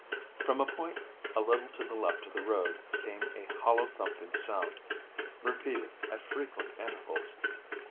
From a point a little to the left of the road came a hollow thumping sound, repeated at frequent intervals.